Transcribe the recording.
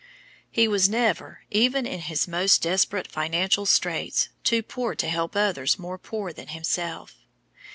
He was never, even in his most desperate financial straits, too poor to help others more poor than himself.